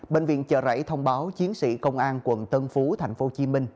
bệnh viện chợ rẫy thông báo chiến sĩ công an quận tân phú thành phố hồ chí minh